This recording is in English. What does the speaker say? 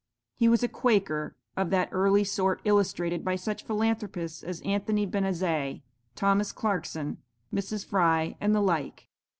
He was a Quaker of that early sort illustrated by such philanthropists as Anthony Benezet, Thomas Clarkson, Mrs. Fry, and the like.